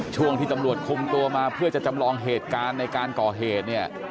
ช่วงที่ตำรวจคุมตัวมาเพื่อจะจำลองเหตุการณ์ในการก่อเหตุเนี่ย